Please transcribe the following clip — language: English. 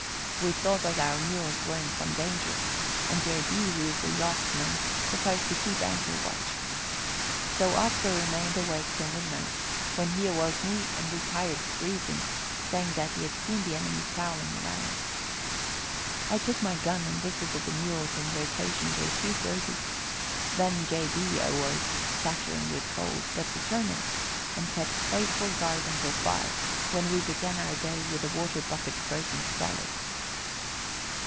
We thought that our mules were in some danger, and J. B., who is a yachtsman, proposed to keep anchor watch. So Oscar remained awake till midnight, when he awoke me and retired freezing, saying that he had seen the enemy prowling around. I took my gun and visited the mules in rotation till 2:30. Then J. B. awoke, chattering with cold, but determined, and kept faithful guard until 5, when we began our day with a water bucket frozen solid.